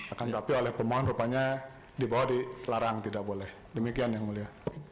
akan tetapi oleh pemohon rupanya di bawah dilarang tidak boleh demikian yang mulia